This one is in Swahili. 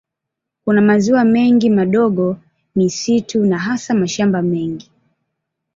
Kuna maziwa mengi madogo, misitu na hasa mashamba mengi.